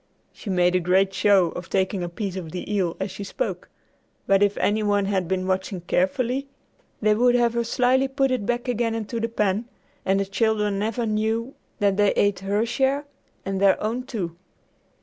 She made a great show of taking a piece of the eel as she spoke, but if any one had been watching carefully, they would have her slyly put it back again into the pan, and the children never knew that they ate her share and their own, too.